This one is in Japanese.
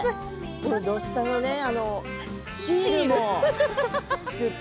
「土スタ」のシールも作って。